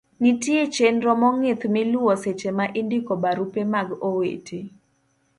nitie chenro mong'ith miluwo seche ma indiko barupe mag owete